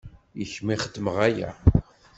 I kemm i xedmeɣ aya.